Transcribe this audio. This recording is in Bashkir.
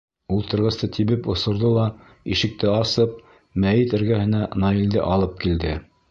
Ултырғысты тибеп осорҙо ла, ишекте асып, мәйет эргәһенә Наилде алып килде: